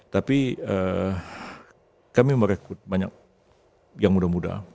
tapi kami merekrut banyak yang muda muda